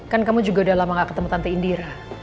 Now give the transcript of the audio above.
kan kamu juga udah lama gak ketemu tante indira